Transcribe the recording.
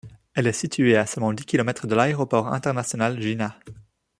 Elle est située à seulement dix kilomètres de l'aéroport international Jinnah.